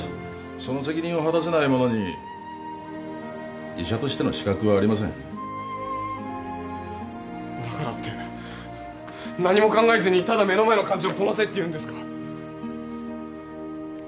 その責任を果たせない者に医者としての資格はありませんだからって何も考えずに目の前の患者をこなせというんですか？